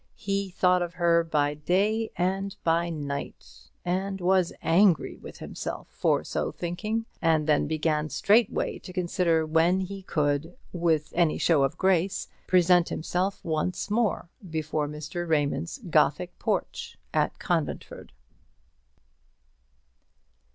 He thought of her by day and by night, and was angry with himself for so thinking; and then began straightway to consider when he could, with any show of grace, present himself once more before Mr. Raymond's Gothic porch at Conventford.